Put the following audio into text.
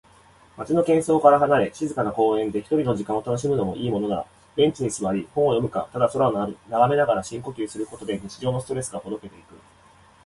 街の喧騒から離れ、静かな公園で一人の時間を楽しむのもいいものだ。ベンチに座り、本を読むか、ただ空を眺めながら深呼吸することで、日常のストレスがほどけていく。